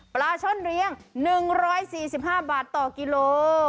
ปลาช่อนเลี้ยง๑๔๕บาทต่อกิโล